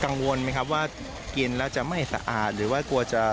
กังวลไหมครับว่ากินแล้วจะไม่สะอาดหรือว่ากลัวจะ